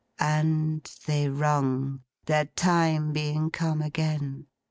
And they rung; their time being come again.